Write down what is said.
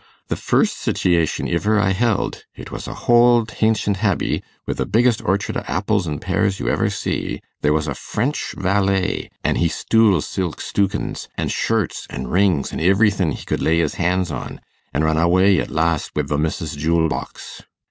The first sitiation iver I held it was a hold hancient habbey, wi' the biggest orchard o' apples an' pears you ever see there was a French valet, an' he stool silk stoockins, an' shirts, an' rings, an' iverythin' he could ley his hands on, an' run awey at last wi' th' missis's jewl box.